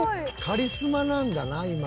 カリスマなんだな今。